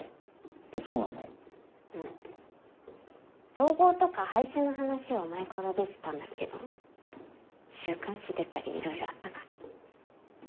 統合とか廃止の話は前から出てたんだけど週刊誌出たりいろいろあったから。